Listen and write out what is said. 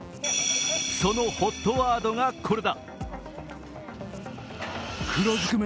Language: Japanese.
そのＨＯＴワードがこれだ。